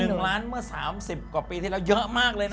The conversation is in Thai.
๑ล้านเมื่อ๓๐กว่าปีที่แล้วเยอะมากเลยนะ